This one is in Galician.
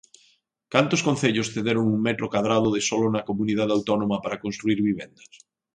¿Cantos concellos cederon un metro cadrado de solo na comunidade autónoma para construír vivendas?